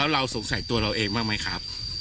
แล้วเราสงสัยตัวเราเองมากมั้ยครับ